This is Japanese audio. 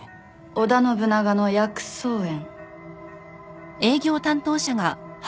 織田信長の薬草園。